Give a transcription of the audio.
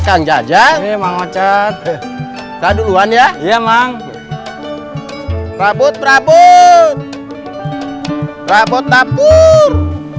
yang jajan memang wajar ke duluan ya iya emang rabut rabut rabot tapur